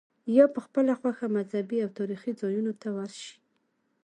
یا په خپله خوښه مذهبي او تاریخي ځایونو ته ورشې.